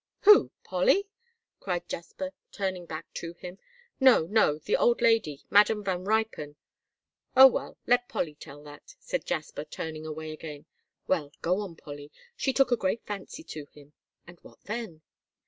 "Who, Polly?" cried Jasper, turning back to him. "No, no, the old lady, Madam Van Ruypen." "Oh, well, let Polly tell that," said Jasper, turning away again. "Well, go on, Polly, she took a great fancy to him and what then?"